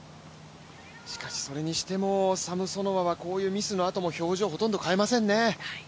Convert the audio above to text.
それにしてもサムソノワはこういうミスのあとでも表情をほとんど変えませんね。